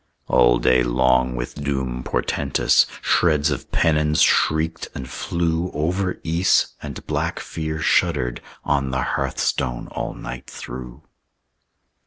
All day long with doom portentous, Shreds of pennons shrieked and flew Over Ys; and black fear shuddered On the hearthstone all night through.